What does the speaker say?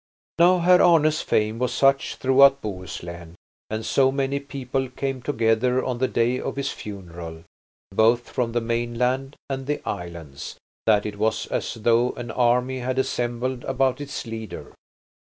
Now Herr Arne's fame was such throughout Bohuslen, and so many people came together on the day of his funeral, both from the mainland and the islands, that it was as though an army had assembled about its leader.